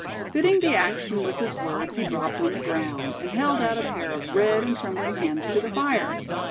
Fitting the action with his words he dropped on the ground, and held out a pair of red and trembling hands to the fire.